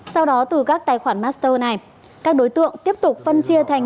sau đó từ các tài khoản master này các đối tượng tiếp tục phân chia thành